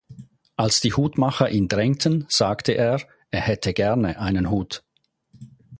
Als die Hutmacher ihn drängten, sagte er, er hätte gerne einen Hut.